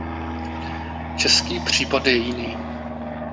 Český případ je jiný.